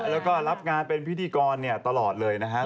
แล้วก็รับงานเป็นพิธีกรตลอดเลยนะครับ